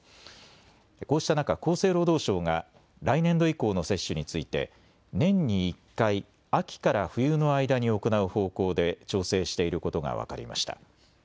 こうした中、厚生労働省が来年度以降の接種について年に１回、秋から冬の間に行う方向で調整していることが分かりました。